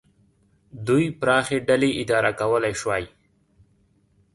دوی پراخې ډلې اداره کولای شوای.